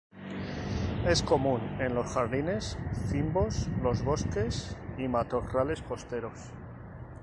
Es común en los jardines, fynbos, los bosques y matorrales costeros.